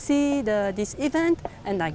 saya bisa melihat acara ini